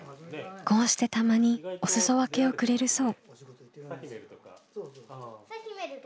こうしてたまにおすそ分けをくれるそう。